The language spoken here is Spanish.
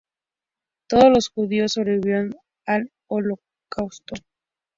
Todos los judíos sobrevivieron al Holocausto.